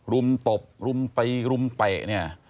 รุมตบรุมไปเป็น